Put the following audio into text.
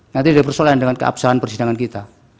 nanti ada persoalan dengan keabsahan persidangan kita